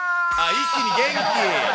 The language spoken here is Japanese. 一気に元気。